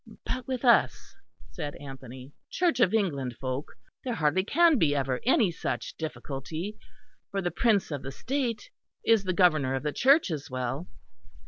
"But with us," said Anthony "Church of England folk, there hardly can be ever any such difficulty; for the Prince of the State is the Governor of the Church as well."